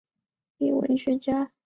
中国翻译家和比较文学家。